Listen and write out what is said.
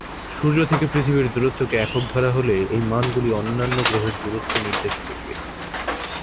সূর্য থেকে পৃথিবীর দূরত্বকে একক ধরা হলে এই মানগুলি অন্যান্য গ্রহের দূরত্ব নির্দেশ করবে।